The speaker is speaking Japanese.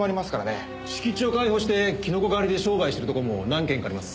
敷地を開放してキノコ狩りで商売してるところも何軒かあります。